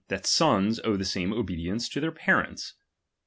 7, that sons^^ic„ owe the same obedience to their parents.